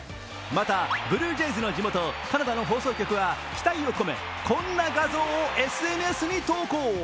また、ブルージェイズの地元、カナダの放送局は期待を込め、こんな画像をＳＮＳに投稿。